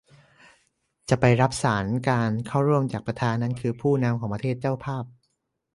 จะไปรับสาส์นการเข้าร่วมจากประธาน นั้นก็คือผู้นำของประเทศเจ้าภาพ